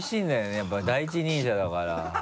やっぱり第一人者だから。